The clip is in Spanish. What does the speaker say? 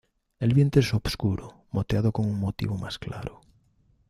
El vientre es obscuro, moteado con un motivo más claro.